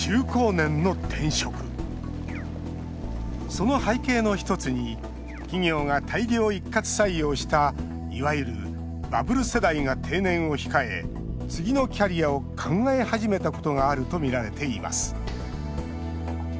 その背景の一つに企業が大量一括採用したいわゆるバブル世代が定年を控え次のキャリアを考え始めたことがあるとみられています。